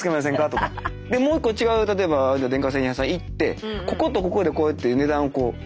でもう一個違う例えば電化製品屋さん行ってこことここでこうやって値段をこう。